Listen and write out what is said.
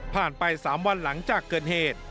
ผ่านไปสามวันหลังจากเกินเหตุ